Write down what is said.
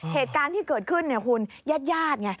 เหตุการณ์ที่เกิดขึ้นเนี่ยคุณญาติญาติไง